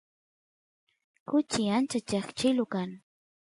kuchi ancha cheqchilu kan